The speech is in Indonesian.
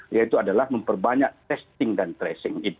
yaitu adalah memperbanyak testing dan tracing